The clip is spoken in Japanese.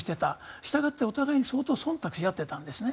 したがってお互いに相当そんたくし合っていたんですね。